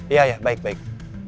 iya iya baik baik